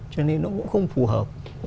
cho nên nó cũng không phù hợp